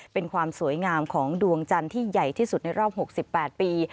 เป็นความสวยงามของดวงจันทร์ที่ใหญ่ที่สุดในรอบ๖๘ปี